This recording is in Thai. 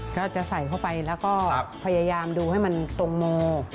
ก็จะใส่เข้าไปแล้วก็พยายามดูให้มันตรงโม